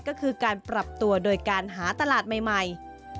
ก็คือการปรับตัวโดยการหาตลาดใหม่